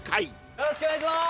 よろしくお願いします